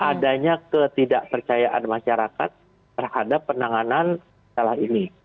adanya ketidakpercayaan masyarakat terhadap penanganan salah ini